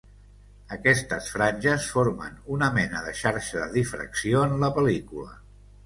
Aquestes franges formen una mena de xarxa de difracció en la pel·lícula.